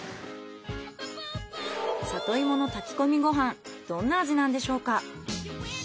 里芋の炊き込みご飯どんな味なんでしょうか？